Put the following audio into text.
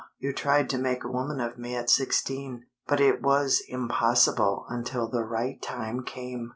You tried to make a woman of me at sixteen, but it was impossible until the right time came.